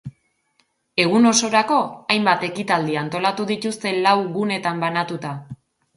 Egun osorako, hainbat ekitaldi antolatu dituzte lau gunetan banatuta.